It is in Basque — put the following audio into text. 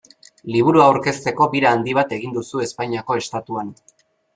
Liburua aurkezteko bira handi bat egin duzu Espainiako Estatuan.